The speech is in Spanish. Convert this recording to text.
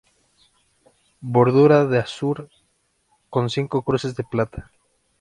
Bordura de azur con cinco cruces de plata.